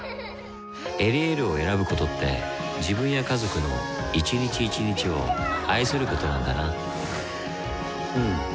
「エリエール」を選ぶことって自分や家族の一日一日を愛することなんだなうん。